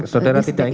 saudara tidak ingat